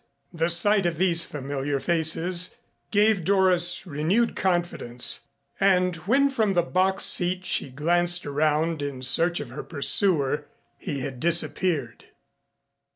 The sight of these familiar faces gave Doris renewed confidence, and when from the box seat she glanced around in search of her pursuer he had disappeared.